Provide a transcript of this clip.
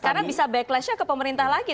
karena bisa backlash nya ke pemerintah lagi